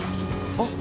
・あっ！！